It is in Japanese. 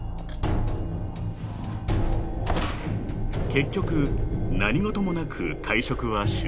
［結局何事もなく会食は終了し］